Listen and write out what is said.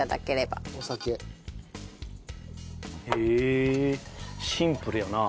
へえシンプルやなあ。